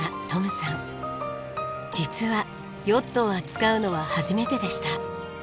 実はヨットを扱うのは初めてでした。